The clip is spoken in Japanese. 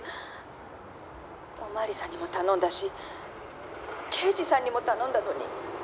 「お巡りさんにも頼んだし刑事さんにも頼んだのに」